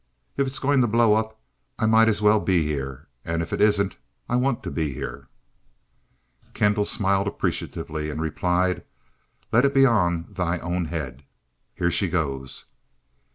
If it's going to blow up, I might as well be here, and if it isn't, I want to be." Kendall smiled appreciatively and replied: "Let it be on thy own head. Here she goes."